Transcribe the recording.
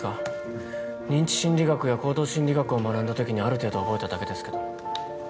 う認知心理学や行動心理学を学んだときにある程度覚えただけですけど。